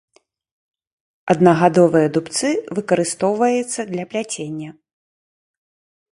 Аднагадовыя дубцы выкарыстоўваецца для пляцення.